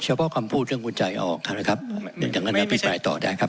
เฉพาะคำพูดเรื่องกุญใจออกครับนะครับ